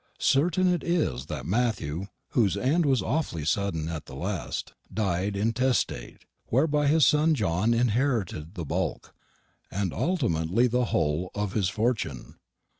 Certain it is that Matthew, whose end was awfully sudden at the last, died intestate, whereby his son John inherited the bulk, and ultimately the whole, of his fortune.